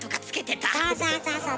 そうそうそうそう！